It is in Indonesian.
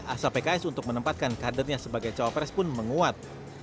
asal pks untuk menempatkan kadernya sebagai cawek pres pun menenguat